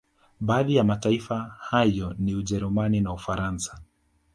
Baadhi ya mataifa hayo ni Ujerumani na Ufaransa